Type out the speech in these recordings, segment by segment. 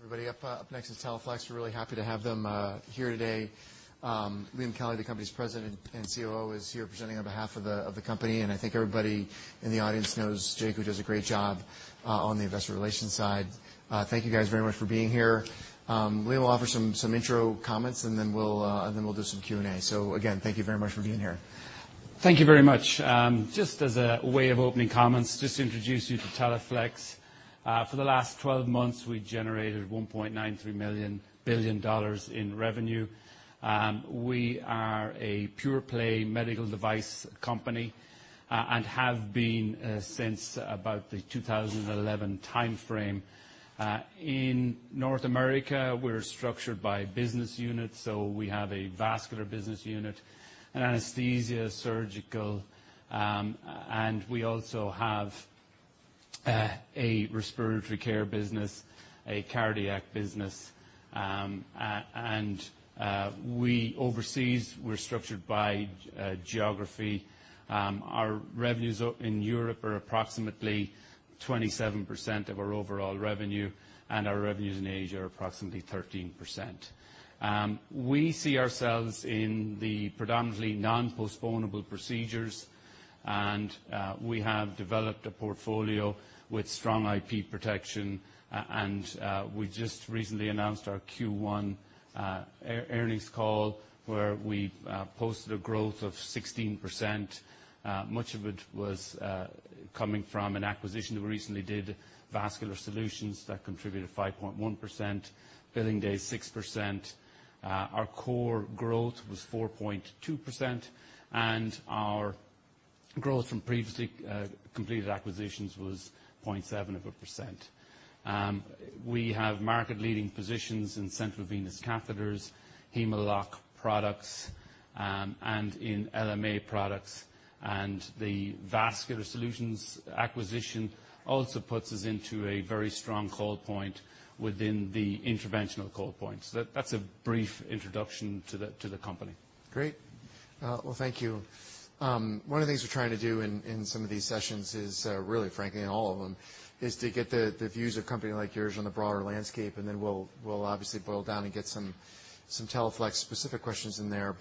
Thanks, everybody. Up next is Teleflex. We are really happy to have them here today. Liam Kelly, the company's President and COO, is here presenting on behalf of the company, and I think everybody in the audience knows Jake, who does a great job on the investor relations side. Thank you guys very much for being here. Liam will offer some intro comments, then we will do some Q&A. Again, thank you very much for being here. Thank you very much. Just as a way of opening comments, just to introduce you to Teleflex. For the last 12 months, we generated $1.93 billion in revenue. We are a pure-play medical device company and have been since about the 2011 timeframe. In North America, we are structured by business units, we have a vascular business unit, an anesthesia surgical, we also have a respiratory care business, a cardiac business. Overseas, we are structured by geography. Our revenues in Europe are approximately 27% of our overall revenue, our revenues in Asia are approximately 13%. We see ourselves in the predominantly non-postponable procedures, we have developed a portfolio with strong IP protection. We just recently announced our Q1 earnings call, where we posted a growth of 16%. Much of it was coming from an acquisition that we recently did, Vascular Solutions. That contributed 5.1%. Billing days, 6%. Our core growth was 4.2%, our growth from previously completed acquisitions was 0.7 of a percent. We have market-leading positions in central venous catheters, Hem-o-lok products, and in LMA products. The Vascular Solutions acquisition also puts us into a very strong call point within the interventional call points. That is a brief introduction to the company. Great. Well, thank you. One of the things we are trying to do in some of these sessions is really, frankly, in all of them, is to get the views of a company like yours on the broader landscape, then we will obviously boil down and get some Teleflex-specific questions in there.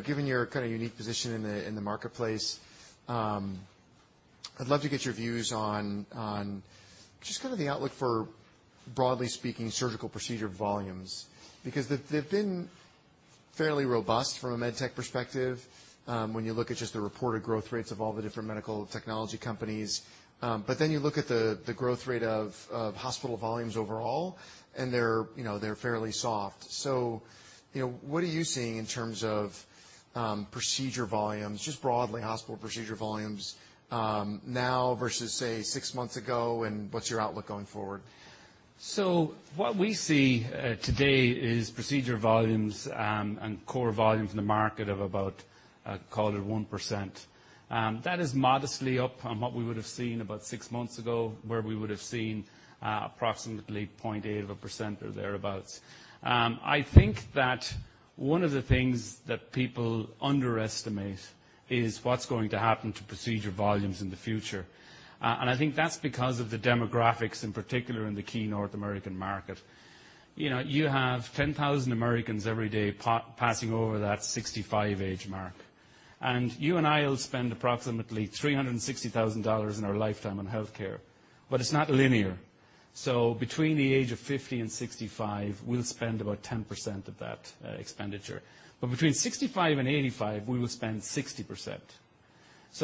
Given your kind of unique position in the marketplace, I would love to get your views on just kind of the outlook for broadly speaking surgical procedure volumes, because they have been fairly robust from a med tech perspective when you look at just the reported growth rates of all the different medical technology companies. Then you look at the growth rate of hospital volumes overall, they are fairly soft. What are you seeing in terms of procedure volumes, just broadly hospital procedure volumes now versus, say, six months ago, and what is your outlook going forward? What we see today is procedure volumes and core volumes in the market of about call it 1%. That is modestly up on what we would have seen about six months ago, where we would have seen approximately 0.8% or thereabouts. I think that one of the things that people underestimate is what's going to happen to procedure volumes in the future. I think that's because of the demographics, in particular in the key North American market. You have 10,000 Americans every day passing over that 65 age mark. You and I will spend approximately $360,000 in our lifetime on healthcare, but it's not linear. Between the age of 50 and 65, we'll spend about 10% of that expenditure. Between 65 and 85, we will spend 60%.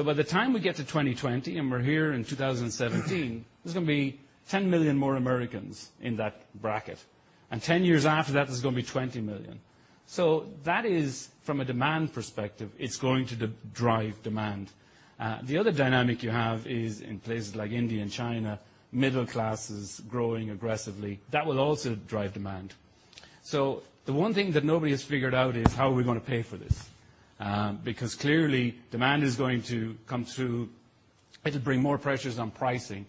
By the time we get to 2020, and we're here in 2017, there's going to be 10 million more Americans in that bracket. 10 years after that, there's going to be 20 million. That is from a demand perspective, it's going to drive demand. The other dynamic you have is in places like India and China, middle class is growing aggressively. That will also drive demand. The one thing that nobody has figured out is how are we going to pay for this? Because clearly demand is going to come through. It'll bring more pressures on pricing.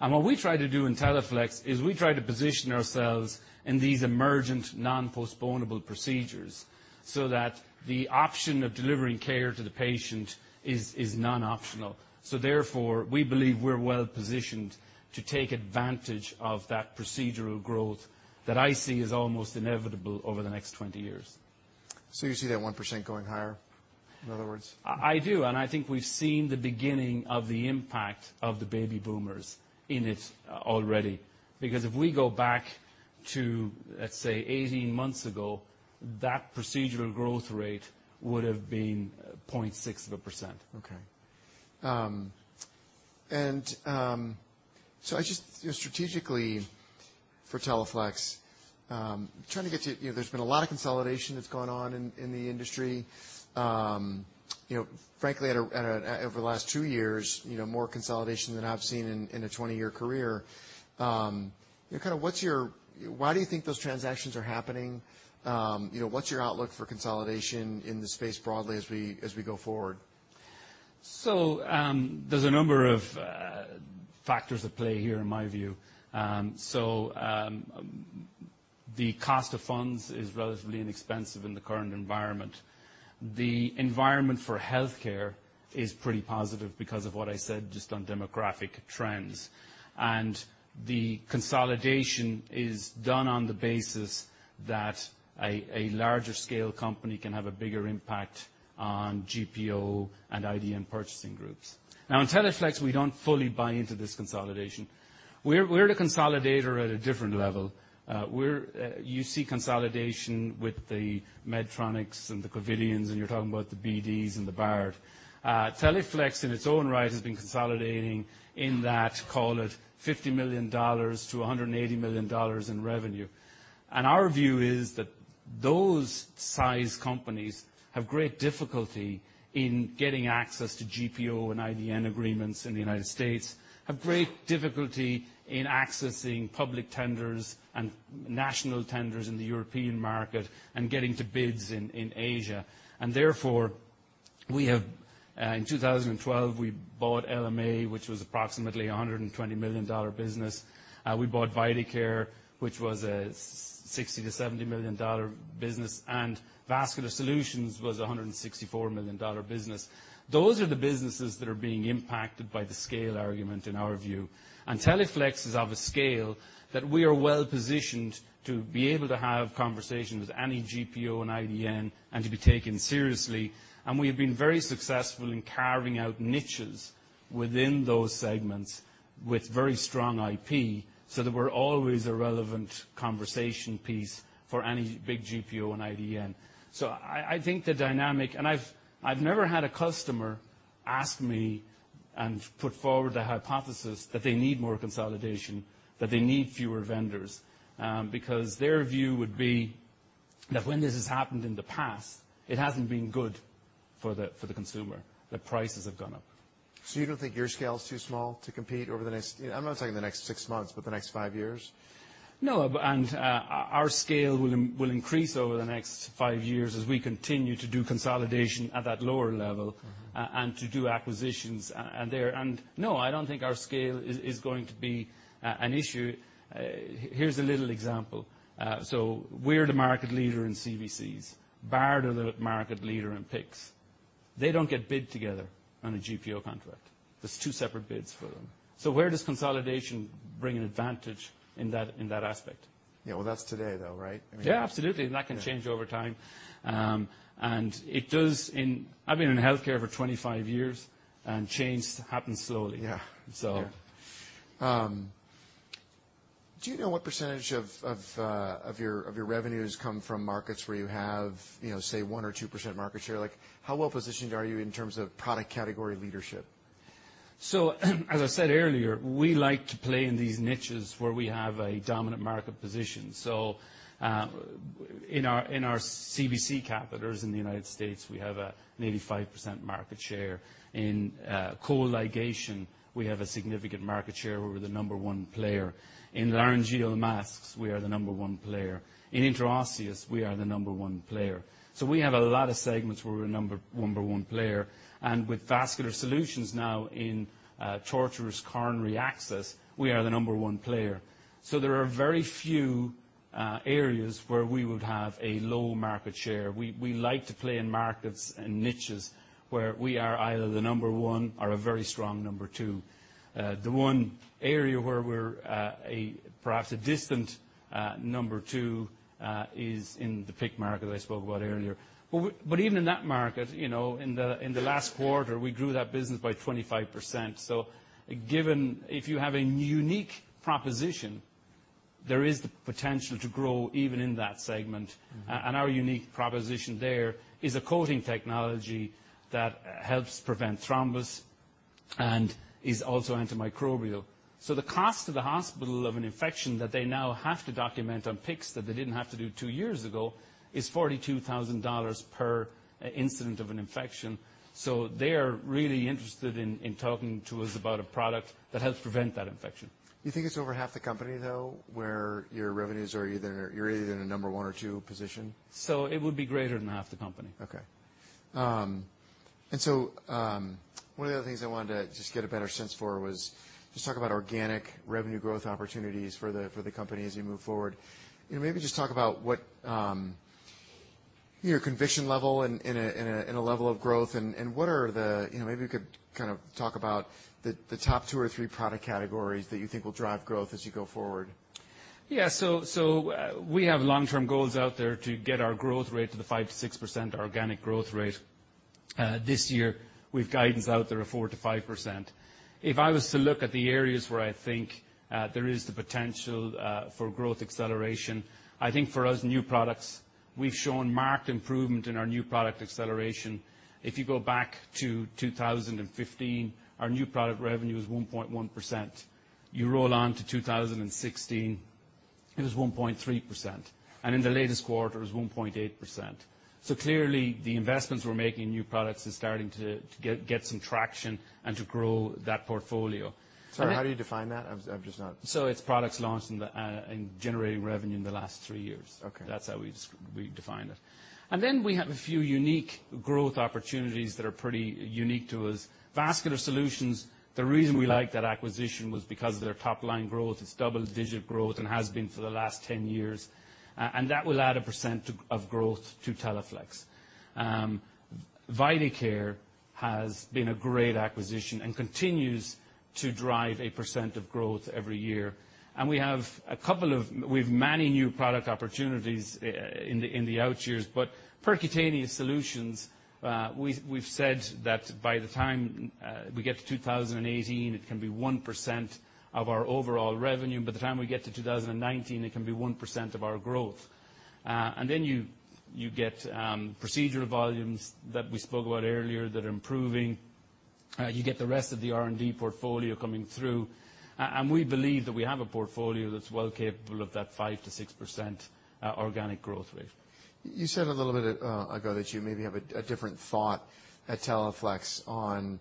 What we try to do in Teleflex is we try to position ourselves in these emergent non-postponable procedures so that the option of delivering care to the patient is non-optional. Therefore, we believe we're well positioned to take advantage of that procedural growth that I see is almost inevitable over the next 20 years. You see that 1% going higher, in other words? I do, I think we've seen the beginning of the impact of the baby boomers in it already. Because if we go back to, let's say, 18 months ago, that procedural growth rate would have been 0.6%. Okay. Just strategically for Teleflex, there's been a lot of consolidation that's gone on in the industry. Frankly, over the last two years, more consolidation than I've seen in a 20-year career. Why do you think those transactions are happening? What's your outlook for consolidation in the space broadly as we go forward? There's a number of factors at play here in my view. The cost of funds is relatively inexpensive in the current environment. The environment for healthcare is pretty positive because of what I said just on demographic trends, the consolidation is done on the basis that a larger scale company can have a bigger impact on GPO and IDN purchasing groups. Now, in Teleflex, we don't fully buy into this consolidation. We're the consolidator at a different level. You see consolidation with the Medtronics and the Covidiens, you're talking about the BDs and the Bard. Teleflex, in its own right, has been consolidating in that, call it $50 million-$180 million in revenue. Our view is that those size companies have great difficulty in getting access to GPO and IDN agreements in the U.S., have great difficulty in accessing public tenders and national tenders in the European market getting to bids in Asia. Therefore, in 2012, we bought LMA, which was approximately $120 million business. We bought Vidacare, which was a $60 million-$70 million business, and Vascular Solutions was $164 million business. Those are the businesses that are being impacted by the scale argument, in our view. Teleflex is of a scale that we are well-positioned to be able to have conversations with any GPO and IDN and to be taken seriously. We have been very successful in carving out niches within those segments with very strong IP, so that we're always a relevant conversation piece for any big GPO and IDN. I think the dynamic. I've never had a customer ask me and put forward the hypothesis that they need more consolidation, that they need fewer vendors. Their view would be that when this has happened in the past, it hasn't been good for the consumer. The prices have gone up. You don't think your scale is too small to compete over the next, I'm not talking the next six months, but the next five years? No. Our scale will increase over the next five years as we continue to do consolidation at that lower level. To do acquisitions. No, I don't think our scale is going to be an issue. Here's a little example. We're the market leader in CVCs. Bard are the market leader in PICCs. They don't get bid together on a GPO contract. There's two separate bids for them. Where does consolidation bring an advantage in that aspect? Yeah. Well, that's today, though, right? I mean- Yeah, absolutely. Yeah. That can change over time. I've been in healthcare for 25 years. Change happens slowly. Yeah. So. Do you know what percentage of your revenues come from markets where you have, say, 1% or 2% market share? How well positioned are you in terms of product category leadership? As I said earlier, we like to play in these niches where we have a dominant market position. In our CVC catheters in the United States, we have a nearly 50% market share. In clip ligation, we have a significant market share where we're the number one player. In laryngeal masks, we are the number one player. In intraosseous, we are the number one player. We have a lot of segments where we're number one player, and with Vascular Solutions now in tortuous coronary access, we are the number one player. There are very few areas where we would have a low market share. We like to play in markets and niches where we are either the number one or a very strong number two. The one area where we're perhaps a distant number two is in the PICC market I spoke about earlier. Even in that market, in the last quarter, we grew that business by 25%. Given if you have a unique proposition, there is the potential to grow even in that segment. Our unique proposition there is a coating technology that helps prevent thrombus and is also antimicrobial. The cost to the hospital of an infection that they now have to document on PICCs that they didn't have to do two years ago is $42,000 per incident of an infection. They are really interested in talking to us about a product that helps prevent that infection. You think it's over half the company, though, where your revenues are either, you're either in a number one or two position? It would be greater than half the company. Okay. One of the other things I wanted to just get a better sense for was just talk about organic revenue growth opportunities for the company as we move forward. Maybe just talk about what your conviction level in a level of growth and what are the, maybe you could kind of talk about the top two or three product categories that you think will drive growth as you go forward. Yeah. We have long-term goals out there to get our growth rate to the 5%-6% organic growth rate. This year, we've guidance out there of 4%-5%. If I was to look at the areas where I think there is the potential for growth acceleration, I think for us, new products, we've shown marked improvement in our new product acceleration. If you go back to 2015, our new product revenue is 1.1%. You roll on to 2016, it was 1.3%, and in the latest quarter, it was 1.8%. Clearly, the investments we're making in new products is starting to get some traction and to grow that portfolio. Sorry, how do you define that? It's products launched and generating revenue in the last three years. Okay. That's how we define it. We have a few unique growth opportunities that are pretty unique to us. Vascular Solutions, the reason we liked that acquisition was because of their top-line growth. It's double-digit growth and has been for the last 10 years. That will add a % of growth to Teleflex. The Vidacare has been a great acquisition and continues to drive a % of growth every year. We have many new product opportunities in the out years. Percutaneous Solutions, we've said that by the time we get to 2018, it can be 1% of our overall revenue, and by the time we get to 2019, it can be 1% of our growth. You get procedural volumes that we spoke about earlier that are improving. You get the rest of the R&D portfolio coming through. We believe that we have a portfolio that's well capable of that 5%-6% organic growth rate. You said a little bit ago that you maybe have a different thought at Teleflex on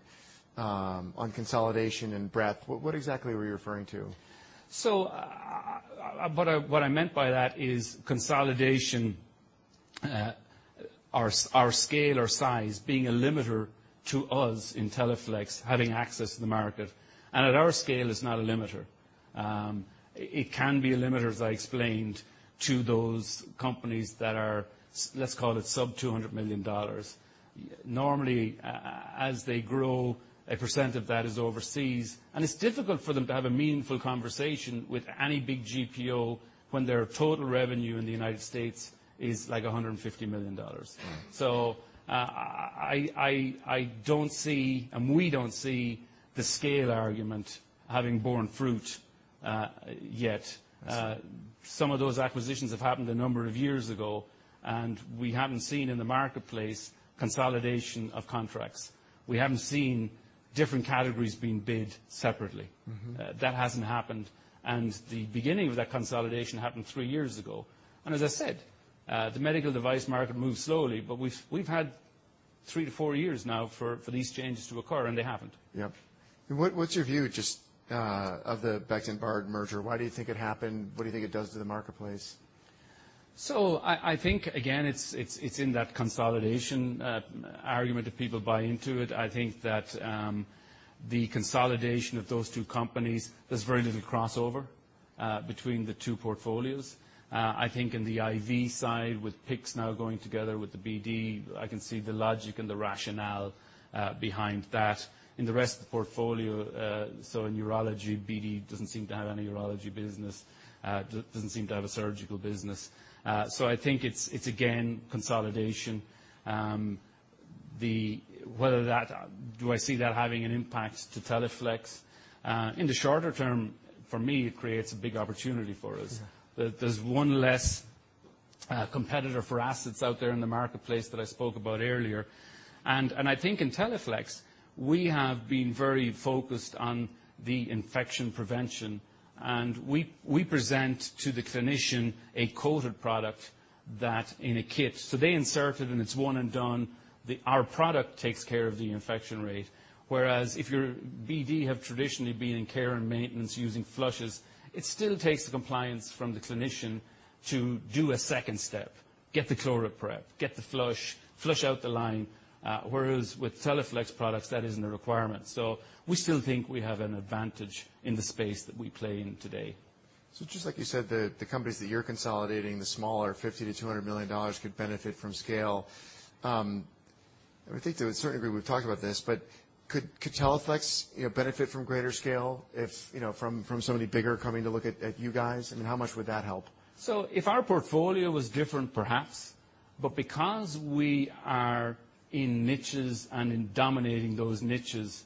consolidation and breadth. What exactly were you referring to? What I meant by that is consolidation, our scale or size being a limiter to us in Teleflex, having access to the market. At our scale, it's not a limiter. It can be a limiter, as I explained, to those companies that are, let's call it sub-$200 million. Normally, as they grow, a percent of that is overseas, and it's difficult for them to have a meaningful conversation with any big GPO when their total revenue in the U.S. is like $150 million. Right. I don't see, and we don't see the scale argument having borne fruit yet. I see. Some of those acquisitions have happened a number of years ago, and we haven't seen in the marketplace consolidation of contracts. We haven't seen different categories being bid separately. That hasn't happened. The beginning of that consolidation happened three years ago. As I said, the medical device market moves slowly, but we've had 3-4 years now for these changes to occur, and they haven't. Yep. What's your view just of the Becton Dickinson merger? Why do you think it happened? What do you think it does to the marketplace? I think, again, it's in that consolidation argument if people buy into it. I think that the consolidation of those two companies, there's very little crossover between the two portfolios. I think in the IV side, with PICCs now going together with the BD, I can see the logic and the rationale behind that. In the rest of the portfolio, so in urology, BD doesn't seem to have any urology business, doesn't seem to have a surgical business. I think it's, again, consolidation. Do I see that having an impact to Teleflex? In the shorter term, for me, it creates a big opportunity for us. Yeah. There's one less competitor for assets out there in the marketplace that I spoke about earlier. I think in Teleflex, we have been very focused on the infection prevention, and we present to the clinician a coated product that in a kit. They insert it, and it's one and done. Our product takes care of the infection rate, whereas if you're BD, have traditionally been in care and maintenance using flushes, it still takes the compliance from the clinician to do a second step, get the ChloraPrep, get the flush out the line. Whereas with Teleflex products, that isn't a requirement. We still think we have an advantage in the space that we play in today. Just like you said, the companies that you're consolidating, the smaller $50 million-$200 million could benefit from scale. I would think they would certainly agree. We've talked about this, but could Teleflex benefit from greater scale if from somebody bigger coming to look at you guys? I mean, how much would that help? If our portfolio was different, perhaps. Because we are in niches and in dominating those niches,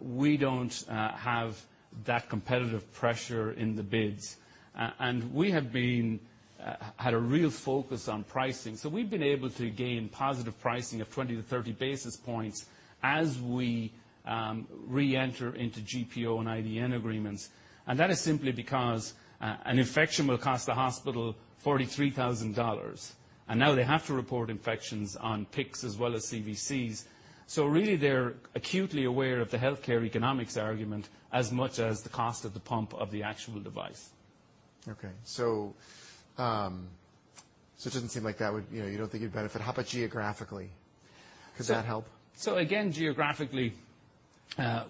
we don't have that competitive pressure in the bids. We have had a real focus on pricing. We've been able to gain positive pricing of 20-30 basis points as we reenter into GPO and IDN agreements, and that is simply because an infection will cost the hospital $43,000. Now they have to report infections on PICCs as well as CVCs. Really, they're acutely aware of the healthcare economics argument as much as the cost of the pump of the actual device. Okay. It doesn't seem like that would. You don't think you'd benefit? How about geographically? Could that help? Again, geographically,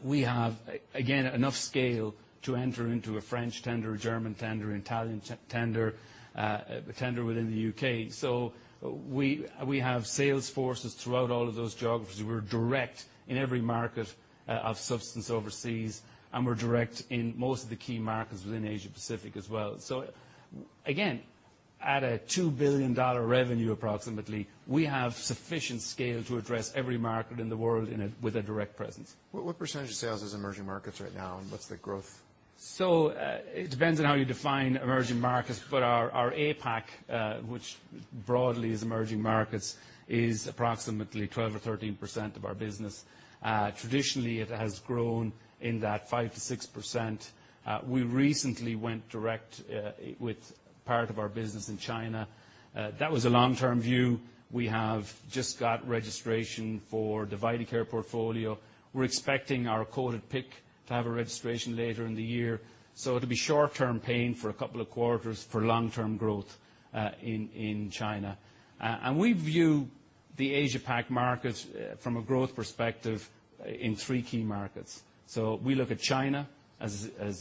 we have enough scale to enter into a French tender, a German tender, an Italian tender, a tender within the U.K. We have sales forces throughout all of those geographies. We're direct in every market of substance overseas, and we're direct in most of the key markets within Asia-Pacific as well. Again, at a $2 billion revenue approximately, we have sufficient scale to address every market in the world with a direct presence. What % of sales is emerging markets right now, and what's the growth? It depends on how you define emerging markets, but our APAC, which broadly is emerging markets, is approximately 12% or 13% of our business. Traditionally, it has grown in that 5%-6%. We recently went direct with part of our business in China. That was a long-term view. We have just got registration for the Vidacare portfolio. We're expecting our coated PICC to have a registration later in the year. It'll be short-term pain for a couple of quarters for long-term growth in China. The Asia Pac market from a growth perspective in three key markets. We look at China as a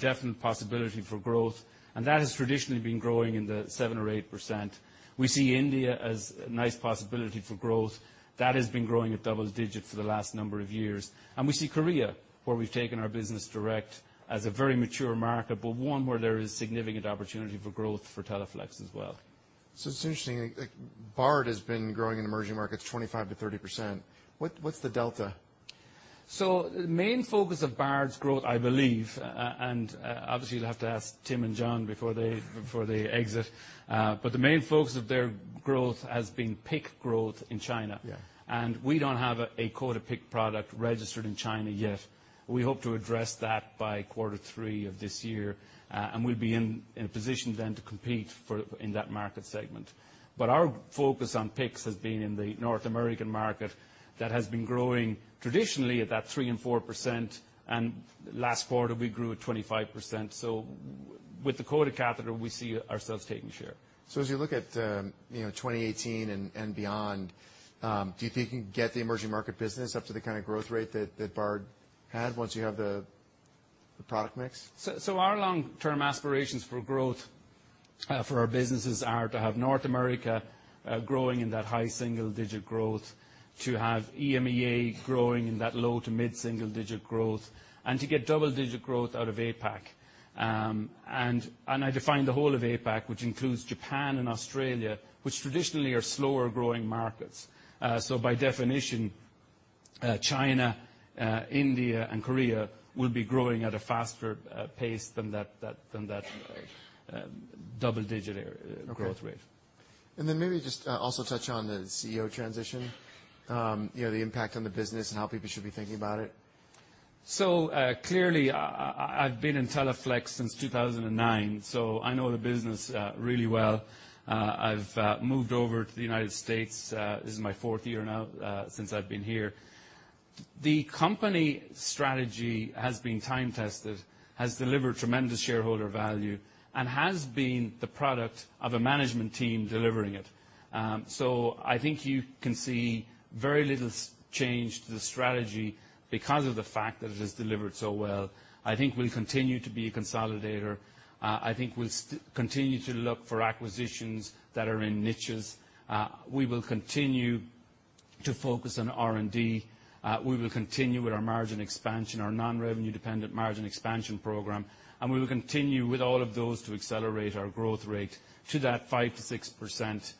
definite possibility for growth, and that has traditionally been growing in the 7% or 8%. We see India as a nice possibility for growth. That has been growing at double digits for the last number of years. We see Korea, where we've taken our business direct, as a very mature market, but one where there is significant opportunity for growth for Teleflex as well. It's interesting, Bard has been growing in emerging markets 25%-30%. What's the delta? The main focus of Bard's growth, I believe, and obviously you'll have to ask Tim and John before they exit, but the main focus of their growth has been PICC growth in China. Yeah. We don't have a coated PICC product registered in China yet. We hope to address that by quarter three of this year, and we'll be in a position then to compete in that market segment. Our focus on PICCs has been in the North American market that has been growing traditionally at that 3% and 4%, and last quarter we grew at 25%. With the coated catheter, we see ourselves taking share. As you look at 2018 and beyond, do you think you can get the emerging market business up to the kind of growth rate that Bard had once you have the product mix? Our long-term aspirations for growth for our businesses are to have North America growing in that high single-digit growth, to have EMEA growing in that low to mid-single digit growth, and to get double-digit growth out of APAC. I define the whole of APAC, which includes Japan and Australia, which traditionally are slower-growing markets. By definition, China, India, and Korea will be growing at a faster pace than that double-digit growth rate. Okay. Then maybe just also touch on the CEO transition, the impact on the business and how people should be thinking about it. Clearly, I've been in Teleflex since 2009, so I know the business really well. I've moved over to the United States. This is my fourth year now, since I've been here. The company strategy has been time-tested, has delivered tremendous shareholder value, and has been the product of a management team delivering it. I think you can see very little change to the strategy because of the fact that it has delivered so well. I think we'll continue to be a consolidator. I think we'll continue to look for acquisitions that are in niches. We will continue to focus on R&D. We will continue with our margin expansion, our non-revenue-dependent margin expansion program, and we will continue with all of those to accelerate our growth rate to that 5%-6%.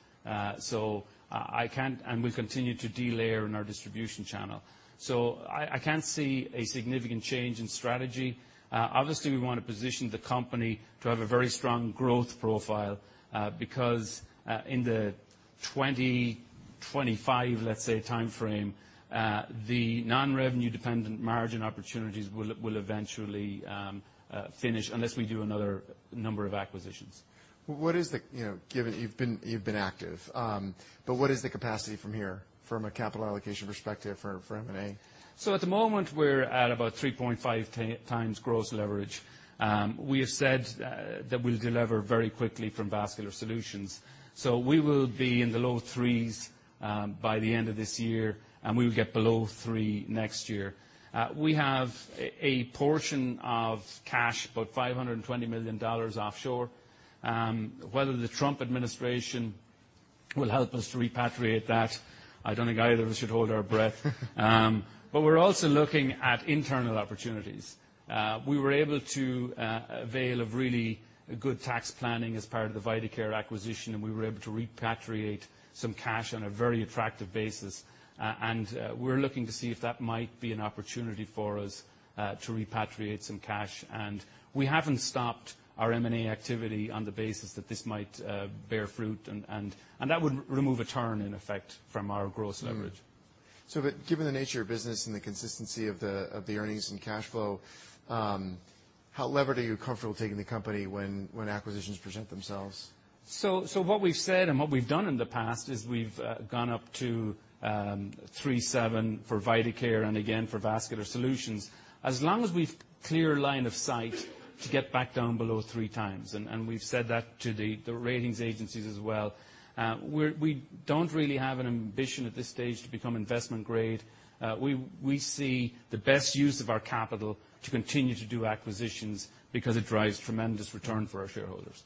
We'll continue to de-layer in our distribution channel. I can't see a significant change in strategy. Obviously, we want to position the company to have a very strong growth profile, because in the 2025, let's say, timeframe, the non-revenue-dependent margin opportunities will eventually finish unless we do another number of acquisitions. Given you've been active, what is the capacity from here from a capital allocation perspective for M&A? At the moment, we're at about 3.5x gross leverage. We have said that we'll delever very quickly from Vascular Solutions. We will be in the low 3s by the end of this year, and we will get below 3x next year. We have a portion of cash, about $520 million, offshore. Whether the Trump administration will help us to repatriate that, I don't think either of us should hold our breath. We're also looking at internal opportunities. We were able to avail of really good tax planning as part of the Vidacare acquisition, and we were able to repatriate some cash on a very attractive basis. We're looking to see if that might be an opportunity for us to repatriate some cash. We haven't stopped our M&A activity on the basis that this might bear fruit, and that would remove a turn in effect from our gross leverage. Given the nature of business and the consistency of the earnings and cash flow, how levered are you comfortable taking the company when acquisitions present themselves? What we've said and what we've done in the past is we've gone up to 3.7x for Vidacare and again for Vascular Solutions. As long as we've clear line of sight to get back down below 3x, we've said that to the ratings agencies as well. We don't really have an ambition at this stage to become investment grade. We see the best use of our capital to continue to do acquisitions because it drives tremendous return for our shareholders.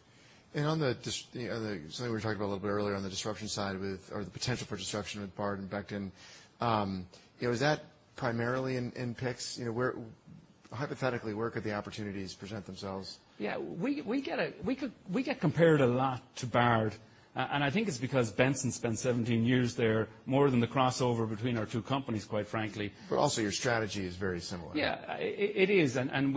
On something we were talking about a little bit earlier on the disruption side with, or the potential for disruption with Bard and Becton. Is that primarily in PICCs? Hypothetically, where could the opportunities present themselves? Yeah. We get compared a lot to Bard. I think it's because Benson spent 17 years there, more than the crossover between our two companies, quite frankly. Also your strategy is very similar. Yeah. It is, and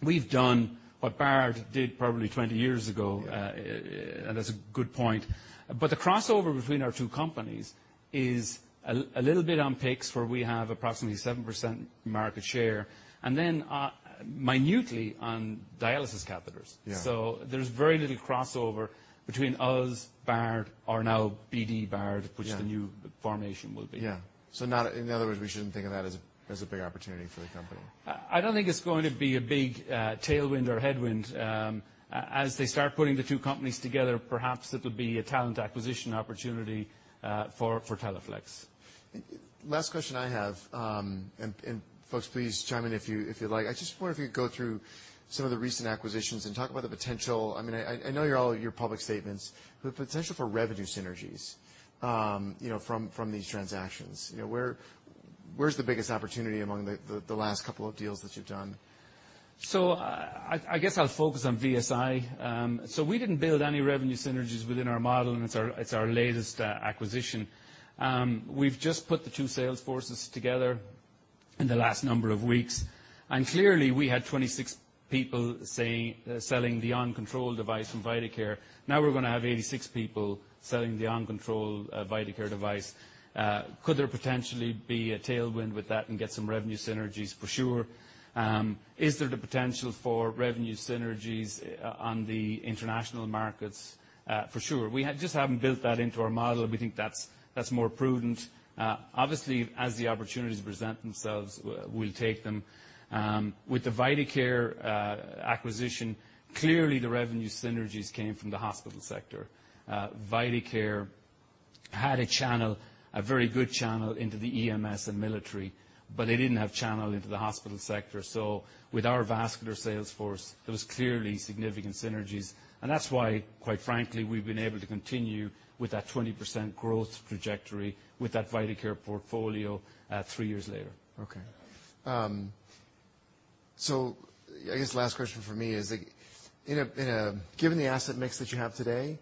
we've done what Bard did probably 20 years ago. Yeah. That's a good point. The crossover between our two companies is a little bit on PICCs, where we have approximately 7% market share, then minutely on dialysis catheters. Yeah. There's very little crossover between us, Bard, or now BD Bard. Yeah Formation will be. Yeah. In other words, we shouldn't think of that as a big opportunity for the company. I don't think it's going to be a big tailwind or headwind. As they start putting the two companies together, perhaps it'll be a talent acquisition opportunity for Teleflex. Last question I have. Folks, please chime in if you'd like. I just wonder if you could go through some of the recent acquisitions and talk about the potential. I know all your public statements. The potential for revenue synergies from these transactions. Where's the biggest opportunity among the last couple of deals that you've done? I guess I'll focus on VSI. We didn't build any revenue synergies within our model, and it's our latest acquisition. We've just put the two sales forces together in the last number of weeks, and clearly we had 26 people selling the OnControl device from Vidacare. Now we're going to have 86 people selling the OnControl Vidacare device. Could there potentially be a tailwind with that and get some revenue synergies? For sure. Is there the potential for revenue synergies on the international markets? For sure. We just haven't built that into our model. We think that's more prudent. Obviously, as the opportunities present themselves, we'll take them. With the Vidacare acquisition, clearly the revenue synergies came from the hospital sector. Vidacare had a channel, a very good channel into the EMS and military, but they didn't have channel into the hospital sector, so with our vascular sales force, there was clearly significant synergies, and that's why, quite frankly, we've been able to continue with that 20% growth trajectory with that Vidacare portfolio three years later. I guess last question from me is, given the asset mix that you have today,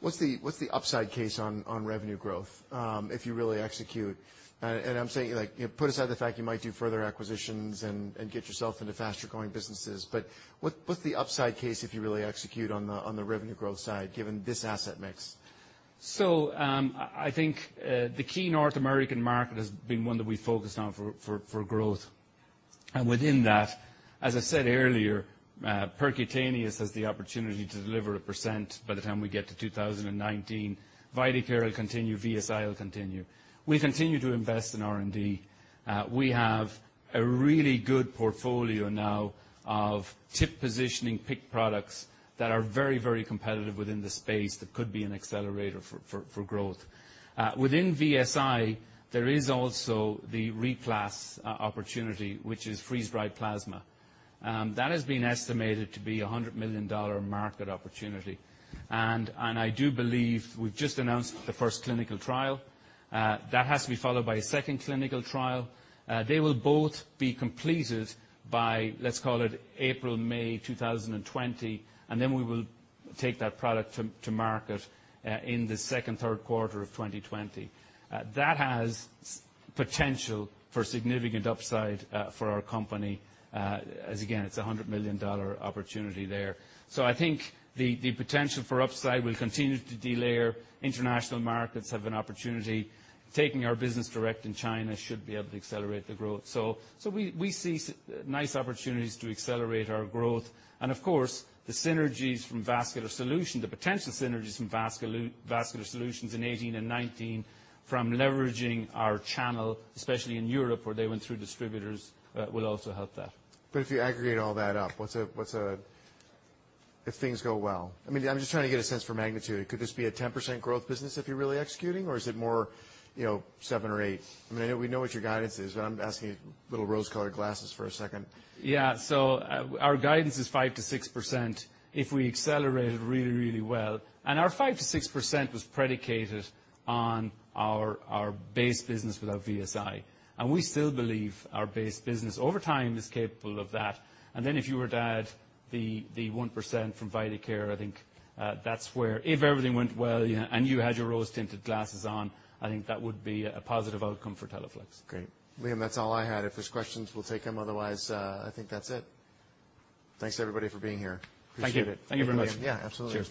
what's the upside case on revenue growth if you really execute? I'm saying, put aside the fact you might do further acquisitions and get yourself into faster-growing businesses, what's the upside case if you really execute on the revenue growth side given this asset mix? I think, the key North American market has been one that we've focused on for growth. Within that, as I said earlier, percutaneous has the opportunity to deliver a percent by the time we get to 2019. Vidacare will continue, VSI will continue. We continue to invest in R&D. We have a really good portfolio now of tip positioning PICC products that are very competitive within the space that could be an accelerator for growth. Within VSI, there is also the RePlas opportunity, which is freeze-dried plasma. That has been estimated to be a $100 million market opportunity. I do believe we've just announced the first clinical trial. That has to be followed by a second clinical trial. They will both be completed by, let's call it April, May 2020, we will take that product to market in the second, third quarter of 2020. That has potential for significant upside for our company. Again, it's a $100 million opportunity there. I think the potential for upside will continue to delayer. International markets have an opportunity. Taking our business direct in China should be able to accelerate the growth. We see nice opportunities to accelerate our growth. Of course, the synergies from Vascular Solutions, the potential synergies from Vascular Solutions in 2018 and 2019 from leveraging our channel, especially in Europe where they went through distributors, will also help that. If you aggregate all that up, if things go well. I'm just trying to get a sense for magnitude. Could this be a 10% growth business if you're really executing, or is it more 7% or 8%? We know what your guidance is, I'm asking little rose-colored glasses for a second. Our guidance is 5%-6% if we accelerated really well. Our 5%-6% was predicated on our base business without VSI. We still believe our base business over time is capable of that. If you were to add the 1% from Vidacare, I think that's where, if everything went well and you had your rose-tinted glasses on, I think that would be a positive outcome for Teleflex. Great. Liam, that's all I had. If there's questions, we'll take them. Otherwise, I think that's it. Thanks everybody for being here. Appreciate it. Thank you. Thank you very much. Absolutely.